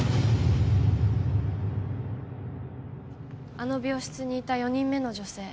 あの病室にいた四人目の女性